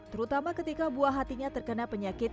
terutama ketika buah hatinya terkena penyakit